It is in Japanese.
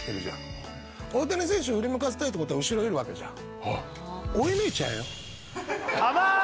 大谷選手を振り向かせたいってことは後ろいるわけじゃん。